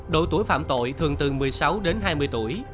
độ tuổi phạm tội thường từ một mươi sáu đến hai mươi tuổi